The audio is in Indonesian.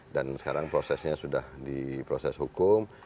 dan sekarang prosesnya sudah di proses hukum